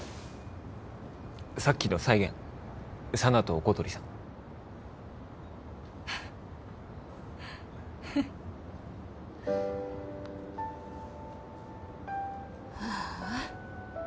さっきの再現佐奈と小鳥さんああ